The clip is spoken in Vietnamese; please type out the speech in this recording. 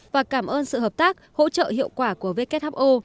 và cảm ơn sự hợp tác hỗ trợ hiệu quả của who